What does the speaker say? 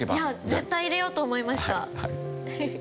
絶対入れようと思いました。